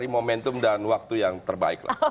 momentum dan waktu yang terbaik lah